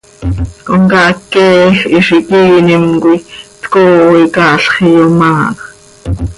Comcaac queeej hizi quiinim coi tcooo icaalx iyomaaj.